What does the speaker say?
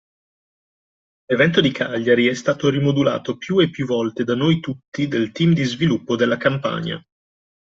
L’evento di Cagliari è stato rimodulato più e più volte da noi tutti del team di sviluppo della Campagna